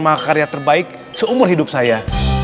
mahakarya terbaik seumur hidup saya